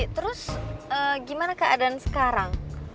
terus gimana keadaan sekarang